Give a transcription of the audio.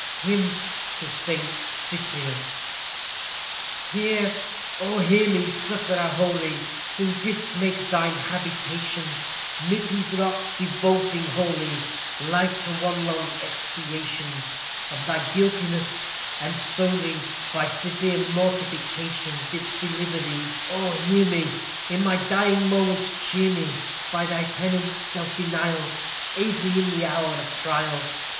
HYMN TO SAINT CYPRIAN Hear! oh! hear me, sufferer holy, Who didst make thine habitation 'Mid these rocks, devoting wholly Life to one long expiation Of thy guiltiness, and solely By severe mortification Didst deliver thee. Oh! hear me! In my dying moments cheer me. By thy penance, self denial, Aid me in the hour of trial.